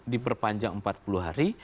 diperpanjang empat puluh hari